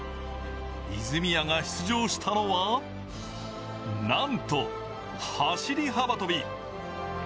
泉谷が出場したのは、なんと走り幅跳び。